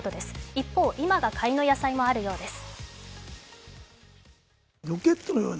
一方、今が買いの野菜もあるようです。